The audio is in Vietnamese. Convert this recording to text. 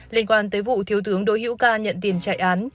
liên quan tới vụ thiếu tướng đỗ hữu ca nhận tiền chạy án